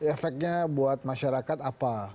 efeknya buat masyarakat apa